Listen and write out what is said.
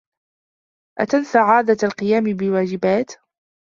أتنسى عادة القيام بواجبات؟